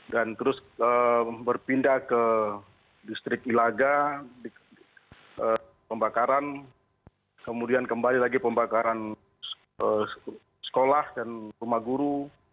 dan terus berpindah ke distrik ilaga pembakaran kemudian kembali lagi pembakaran sekolah dan rumah guru